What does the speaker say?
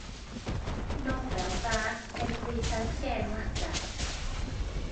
Nofel dda er gwaetha'r llên-ladrad.